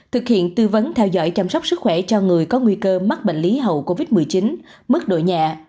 thực hiện tư vấn theo dõi chăm sóc sức khỏe cho người có nguy cơ mắc bệnh lý hậu covid một mươi chín mức độ nhẹ